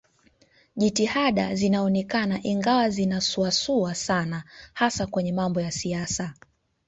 Jitihada zinaonekana ingawa zinasuasua sana hasa kwenye mambo ya siasa